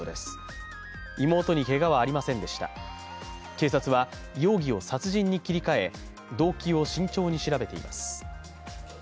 警察は容疑を殺人に切り替え、動機を慎重に調べています。